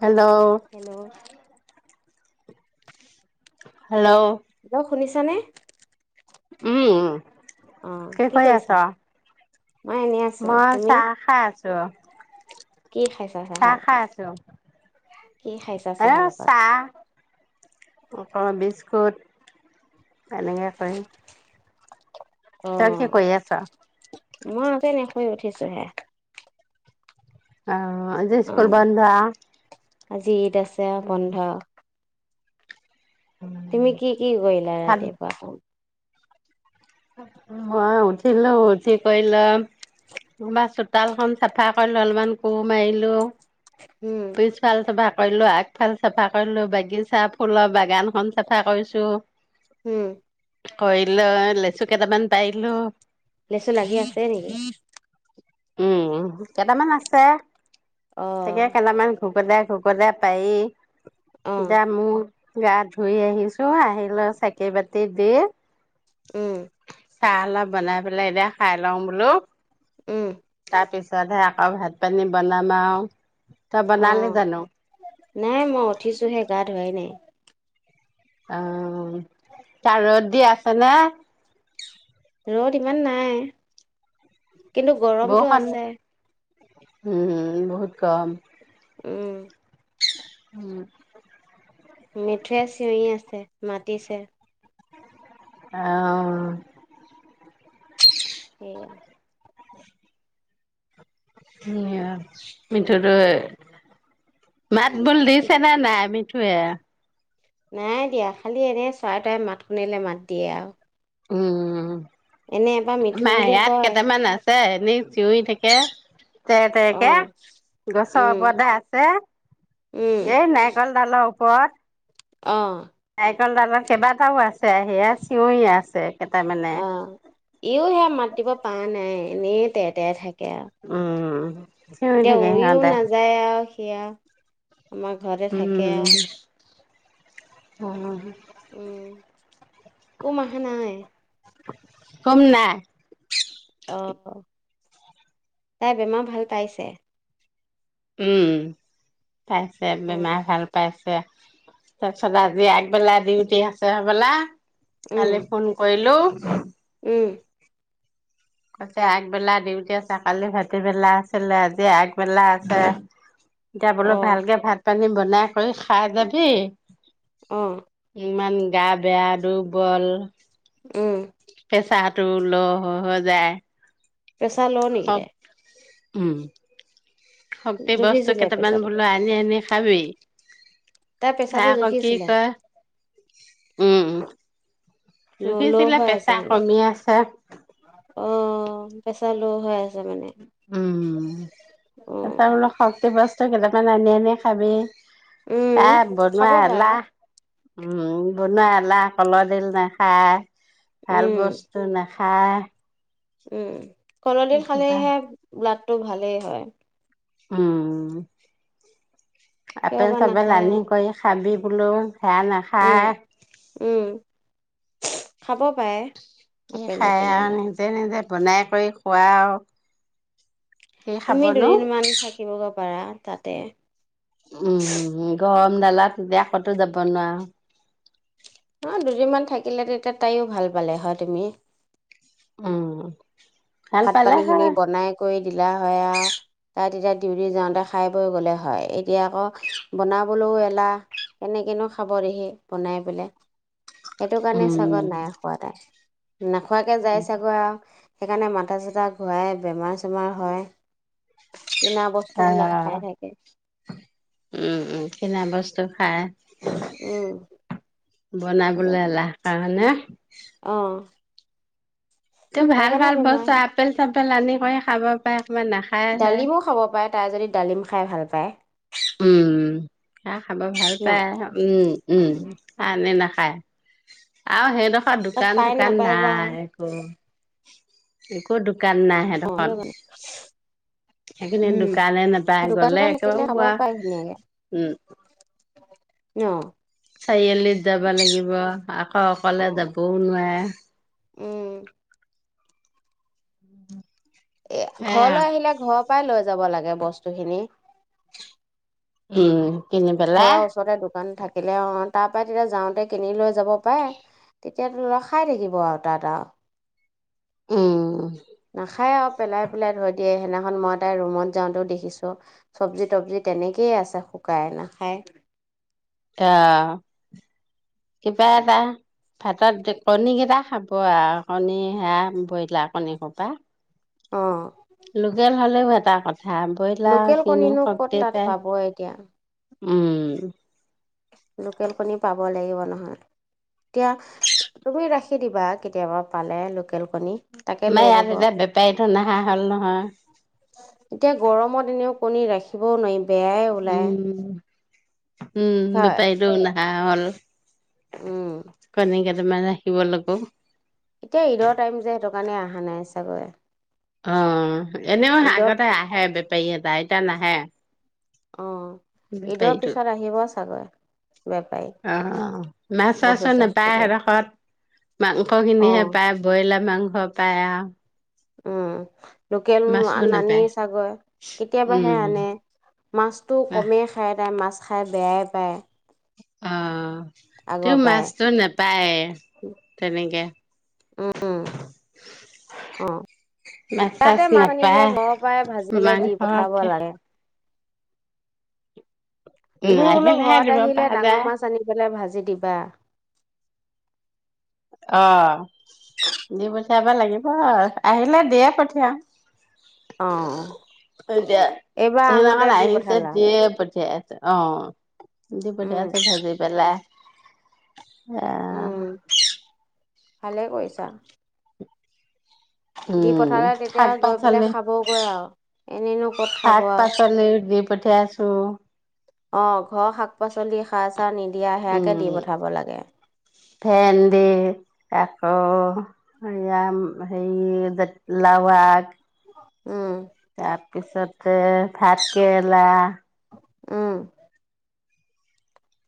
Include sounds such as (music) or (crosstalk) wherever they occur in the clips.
(inaudible) Hello. Hello (inaudible) hello. ছানে। উম। অ' কি কৰি আছ কইছা। মই চাহ খাই আ দ। কি খাইছা চাহ লগত -কি খাইছা এ চাহ লগত। চাহ বিস্কুট এনেকে কৰি তই কি অ' কৰি আছ? মই (unintelligible) শুই উঠিছো হে। অ'। অ', আজি ইস্কুল অ' বন্ধ আ (unintelligible) ঈদ আছে বন্ধ। তুমি কি কি কৰিলা? ভাত ৰাতিপুৱা (unintelligible) মই উঠিলো উঠি কৰি লৈ অলপমান চোতালখন চাফা কৰিলো, অলপমান কোৰ মাৰিলো। উম, পিছফাল চাফা কৰিলো আগফাল চাফা কৰিলো, বাগিছা, ফুলৰ বাগানখন চাফা কৰিছো। উম। কয়ি লৈ লেছুক কেটামান পাইলো। লেচু লাগি আছে নেকি? উম কেটামান আছে। তাকে অ' কেটামান ভুগ কদাই ঘুকদাই পাই অ' দামু গা ধুই আহিছো, আহিলৈ চাকি বাতি দি উম। চাহ অলপ বনাই পেলাই এতিয়া খাই লওঁ বোলো। উম। তাৰ পিছতহে আকৌ ভাত পানী বনাম আও। অ', নাই মই উঠিছোহে গাত ধুৱাই নাই। অ। তা ৰ'দ দি আছে নে? ৰত ইমান নাই। কিন্তু গৰমতটো আছে। হম, হম, বহুত কম। উম। উম। মিঠোৱে চিঞৰি আছে মাতিছে। অ। সেয়া, (inaudible) (unintelligible) উম। মিঠুটো মাত বোল দিছে নে নাই মিঠুয়ে? নাই দিয়া। খালী এনে চৰাই-তৰাই মাত শুনিলে মাত দিয়ে আৰু। উম। এনে এবাৰ মিঠু আমাৰ বুলি ইয়াত কয়। (inaudible) চিঞৰি থাকে তে, তে, অ কে গছৰ উম ওপৰতে আছে, উম এই নাৰিকল ডালৰ ওপ ওপৰত অ ৰিকল দালত কেইবাটাও আছে, সেয়া চিঞৰি আছে। কেইটামানে অ', ইয়ো সেয়া মাতিব পাৰা নাই। এনেই তে তে থাকে আৰু উম। চিঞৰি এতিয়া থাকে উৰিও সিহঁতে নাযায় আৰু সেয়া আমাৰ ঘৰতে থাকে আৰু উম। উম, কোম আহা নাই, কম নাই অ। তাই বেমাৰ ভাল পাইছে? উম। পাইছে। উম বেমাৰ ভাল পাইছে। তে, তাৰপিছতে আজি আগবেলা ডিউটি আছে হ'বলা। উম কালি ফোন কৰিলোঁ। (inaudible) উম। কছে আগবেলা ডউটি আছে, কালি ভতিবেলা আছিলে, আজি আগবেলা আছে। অ যাবলৈ ভালকে ভাত তহঁতি বনাই কৰি খাই যাবি। অ' ইমান গা বেয়া, দুৰ্বল উম পেচাৰত টো লোৰ হৈ হৈ যায়। প্ৰেচাৰ লোৰ নেকি শক তাই? উম। শক্তি বস্তু জুখিছিলে কেইটামান প্ৰেছাৰটো বোলোঁ আনি আনি খাবি তাই প্ৰেছাৰটো খায় আক উঠি কি জুখিছিলে কয় উম অ', ল' জোখিছিলে হৈ আছে পেচা মানে কমি আছে। লো হয়ে উম তাপা অ', অলপ শক্তি পাইছে তই কেইটামান আনি আনি খাবি উম, তাই খাব বনুৱা পাৰে। এলাহ উম বনোৱা এলাহ কলহ দিল নেখাই ভাল উম, বস্তু নাস হা উম কলডিল খালেহে ব্লাড সেটো ভালেই হয় উম কিয় আপেল বা চাপেল নাখায় আনি আৰু কৰি খাবি হেল্ল হেয়া উম, নাখায় উম, খাব পাৰে কি আপেল খাই এপেল বিলাক। নিজে নিজে বনাই কৰি খোৱাই আৰু কি তুমি খাবনো দুদিনমান থাকিবগৈ পাৰা তাতে ডালাত বেয়া ক'তো যাব নোৱাৰোঁ। থাকিলেটো এতিয়া তাইয়ো ভাল পালে হয় তুমি। উম। ভাল ভাত পালে পানী খিনি হয় বনাই কৰি দিলা হয়। তাই তেতিয়া ডিউটি যাওঁতে খাই বৈ গ'লে হয়। এতিয়া আকৌ বনাবলৈও এলাহ কেনেকেনো খাব দেহি বনাই পেলাই। সেইটো কাৰণে চাগৈ উম নাই‌ খোৱা তাই। নেখোৱাকে যায় চাগৈ আৰু সেইকাৰে মান (unintelligible) ঘূৰাই, ‌বেমাৰ‌, চেমাৰ হয়। কিনা বস্তুবিলাক খাই অ', থাকে উম, উম, কিনা বস্তু (unintelligible) উম সেইটো বনাবলৈ কাৰণে এলাহ কাৰণে অ তুমি ভাল, সেইকাৰণে ভাল বেমাৰ বস্ত আপেল চাপেল পেলানী কৰি খাব পায়ে। ডালিমো খাব পাৰে তাই যদি ডালিম খাই ভাল পায়। উম। হেয়া খাব ভাল ন পায়। উম উম, খায় নে নাখায়? পাই। আৰু হে দখত তাত পাই নে দোকান-চোকান নাপায় বা নাই আকৌ একো। একো দো কান নাই সেই অ দোখৰত। সেইটো কাৰণে সেইখিনি উম দোকানে নাপায় দোকান গ'লে চোকান আকৌ। থাকিলে খাব পাই ধুনীয়াকে। ন? চাৰিআলিত যাবা লাগিব আকৌ অ অকলে যাবও নোৱাৰে। (inaudible) উম। এ, সেয়া ঘৰলৈ আহিলে ঘৰৰ পৰাই লৈ যাব লাগে বস্তু খিনি। উম। কিনি ঘৰৰ পেলাই ওচৰতে দোকান থাক। থিলে, অ তাৰ পৰা তেতিয়া যাওঁতে কিনি লৈ যাব পাৰে তে এতিয়াতোৰ খাই থাকিব, আৰু তাত আৰু। উম। নাখায় আৰু পেলাই পেলাই থৈ দিয়ে। সেইদিনাখন মই তাইৰ ৰুমত যাওঁতেও দেখিছোঁ, চব্জি-তব্জি তেনেকেইয়ে আছে শুকাই নাখায়। অ' কিবা এটা! ভাতত কণী কেইটা খাব আৰু কণী সেইয়া ব্ৰইলাৰ কণী সোপা অ' লোকেল হ'লেও এটা কথা ব্ৰইলাৰ লোকেল কিনো কণীনো ক'ত শক্তি তাত পায় পাব এতিয়া- উম- লোকেল কণী পাব লাগিব নহয়, এতিয়া তুমি ৰাখি দিবা কেতিয়াবা পালে লোকেল কণী তাকে লৈ আমাৰ যাব ইয়াত এতিয়া বেপাৰীটো নহা হ'ল নহয়। এতিয়া গৰমত এনেও কণী ৰাখিবও নোৱাৰিম। বেয়াই ওলায়- উম উম হয় বেপাৰী জন নাই - নহা হ'ল - উম- মানে ৰাখিব লাগিব- এতিয়া ঈদৰ টাইম যে সেইটো কাৰণে অহা নাই চাগৈ। অ' এনেও ঈদৰ আগতে আহে বেপাৰী এটা, এতিয়া নাহে। অ ঈদৰ পিছত আহিব চাগৈ বেপাৰী (inaudible) অ মাছ -চাছ বস্তু চস্তু নেপায় লৈ এইডোখৰত মাংসখিনি অ হে পাই বইলাৰ মাংস - (unintelligible) উম- তেল নানেই নাপায়। ছাগৈ তাই, কেতিয়াবাহে উম, আনে। মাছতো কমেইখাই তাই মাছ- খাই বেয়াই পায়। অ' সি আগৰ পৰাই মাছতো নেপাই তেনেকৈ। উম অ মাছ তাতে -চাছ মাছ আনিলে নেপাই। ঘৰৰ পৰাই ভাজি পেলাই দি মাংস পঠাব - লাগে উম, এদিন বোলো আহিলেহে ঘৰত দিব আহিলে পৰা যায়। ডাঙৰ মাছ আনিপেলাই ভাজি- দিবা- অ' দিপথাব লাগিব, আহিলে দিয়েই পথিয়াও। অ হয় দিয়া। এইবাৰ সেই আহোতে দিনাখন দি আহিছে পঠালা দিয়েই পথিয়াইছো। অ' দি উম পথাইছো ভাজি পেলাই। আহ উম ভালেই কৰিছা। দি উম পথালে শাক গৈ-পাই পাচলি খাবগৈ আউ। এনেদৰ পথিয়াইছো- অ' অ শাক-পাচলি সাৰ-চাৰ নিদিয়া সেয়াকেই উম দিপথাব লাগে। ভেন্দি, তাৰপিছত হৰি- জাতিলাও আগ উম (unintelligible) তাতে - ভাতকেৰেলা ও,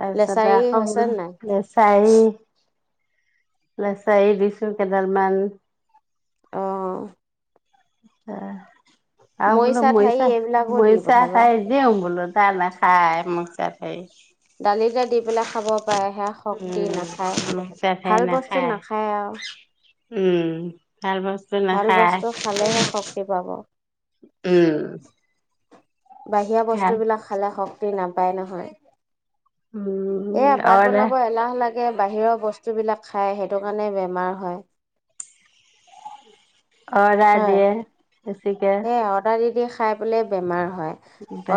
তাৰ পিছত দেখা হৈছে নে নাই মোৰলৈ লেচাৰি দিছো কেই ডাল মান। অ' অহ, আৰু বোলো ঠাৰি মৰিচা, এইবিলাকো দি মৰিচা পঠাবা খাই (unintelligible) তাই নাখাই মৰিচা ঠাৰি। দালিতে দি পেলায় খাব পাৰে, সেয়া শক্তি নাখায়, উম মৰিচা ঠাৰি ভাল বস্তু নাখায় আৰু। উম। ভাল বস্তু ভাল নাখায় বস্তু খালেহে শক্তি পাব। উম। বাহিৰা ভাল বস্তু বিলাক খালে শক তি নাপায় নহয়। উম এয়া ভাত অৰ্ডাৰ বনাব এলাহ লাগ সি বাহিৰৰ বস্তুবিলাক খায় সেইটোকাৰণে বেমাৰ হয়। অৰ্ডাৰ দিয়ে বেছিকে হেয়া অৰ্ডাৰ দি দি খাই পেলাই বেমাৰ হয়,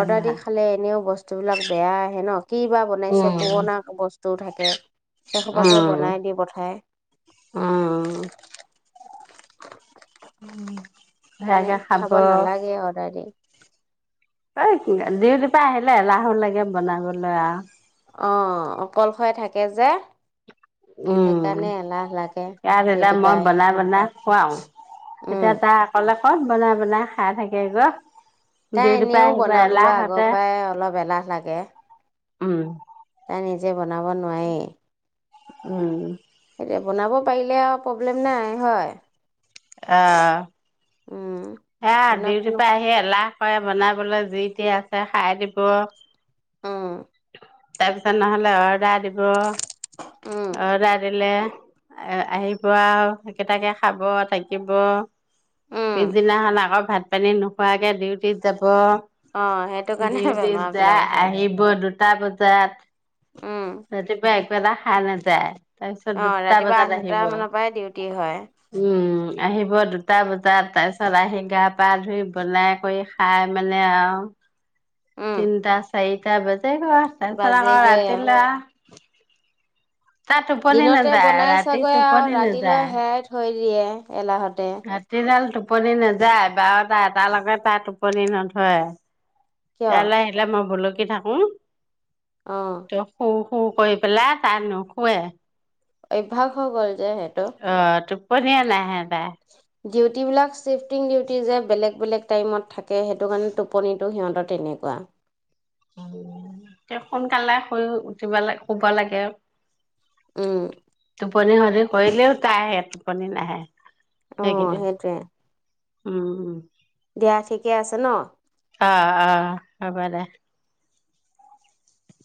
অৰ্ডাৰ দি খালে এনেও বস বস্তুবিলাক বেয়া আহে ন? কি বা বনাইছে উম পুৰণা বস টো থাকে। সেই খোপাকে উম বনাই দি পঠাই। উম উম সেইকাৰণে খাব নালাগে অৰ্ডাৰ দি। এহ ডিওটিৰ পৰা আহিলে এলাহু লাগে বনাবলৈ আৰু।। অ' অকলশৰে থাকে যে। উম সেইকাৰণে এলাহ লাগে ইয়াত এতিয়া ডিউটিৰ পৰা মই আহি বনাই বনাই খুৱাম উম, তেতিয়া তাই অকলে।। ক'ত বনাই বনাই খাই থাকিব। তাই এনেও বনাবলৈ আগৰ পৰাই অলপ এলাহ লাগে। উম, তাই নিজে বনাব নোৱাৰেই। উম, এতিয়া বনাব পাৰিলে আৰু প্ৰব্লেম নাই হয়। অহ, উম, হে বনাব ডিউটিৰ পৰা আহি এলাহ কৰে বনাব বনাবলে যি টি আছে খাই দিব উম তাৰ পিছত নহলে অৰ্ডাৰ দিব উম, অৰ্ডাৰ দিলে এ আহিব আৰু একেইটাকে খাব থাকিব। উম। শেষ ভাত পানী নোখোৱাকে ডিউটিত যাব অ', সেইটো কাৰণে ডিউটিত বেমাৰ যাই বিলাক হয়। আহিব দুটা, দুটা বজাত, উম, ৰাতিপুৱায় খাই নাযায়। তাৰ পিছত অ', দুটা ৰাতিপুৱা বজাত আঠটা আহিব মানৰ পৰাই ডিউটি হয়। উম আহিব দুটা বজাত তাৰ পিছত আহি গা পা ধুই বনাই কৰি খাই মানে আৰু উম, তিনিটা চাৰি তাৰ পিছত, (inaudible) তাৰ পিছত আকৌ বাজেগৈ ৰাতি আৰু। লা দিনতে নাযায় বনাই ৰাতি চাগৈ আৰু টোপনি নাযায় ৰাতিলৈ হেৰাই থৈ দিয়ে এলাহতে ৰাতিডাল টোপনি নেযায় বাৰোটা এটালকে তাৰ টোপনি নধৰে (inaudible) কিয়? (inaudible) থাকো অ', তই শু? শু কৰি পেলে তায় নুশুয়ে, এভাগ হৈ গল! যে সেইটো। অ' টোপনীয়ে নাহে তাৰ ডিউটিবিলাক চিফ্টিং ডিউটি যে বেলেগ বেলেগ টাইমত থাকে। তাকে সেইটো কাৰণে টোপনি, টো সিহঁতৰ তেনেকুৱা তে সোনকালে শুই উঠিব লাগ শুব লাগে উম! টোপনি ক্ষতি কৰিলেও তাইৰ টোপনি নাহে অ এইকেইদিন সেইটোৱে উম উম দিয়া ঠিকে আছে ন! আ আ হ'ব দে,